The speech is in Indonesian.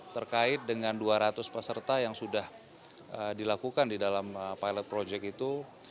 terkait dengan dua ratus peserta yang sudah dilakukan di dalam pilot project itu